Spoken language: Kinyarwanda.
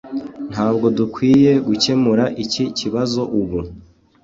Ntabwo dukwiye gukemura iki kibazo ubu.